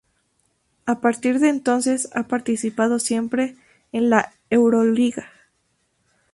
A partir de entonces ha participado siempre en la Euroliga.